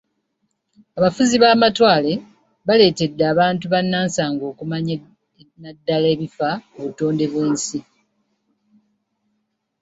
Abafuzi b'amatwale baleetedde abantu bannansangwa okumanya naddala ebifa ku butonde bw'ensi.